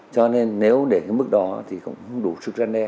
cho nên nếu để cái mức đó thì cũng đủ sức răn đe